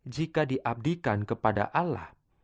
jika diabdikan kepada allah